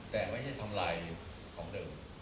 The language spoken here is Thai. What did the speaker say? แต่ไม่ใช่ทำลายของเดิม